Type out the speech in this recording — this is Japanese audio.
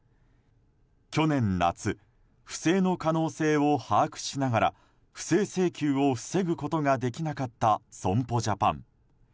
去年夏不正の可能性を把握しながら不正請求を防ぐことができなかった損保ジャパン。